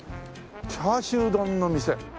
チャーシュー丼の店。